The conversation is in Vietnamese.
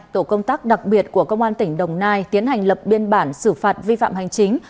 tổ công tác đặc biệt của công an tỉnh đồng nai tiến hành lập biên bản xử phạt vi phạm hành chính